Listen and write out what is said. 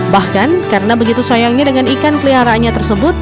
bahkan karena begitu sayangnya dengan ikan peliharaannya tersebut